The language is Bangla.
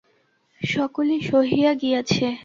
সকলি সহিয়া গিয়াছে।